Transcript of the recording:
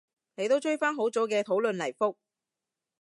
你都追返好早嘅討論嚟覆